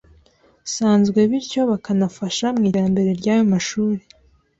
sanzwe bityo bakanafasha mu iterambere ryayo mashuri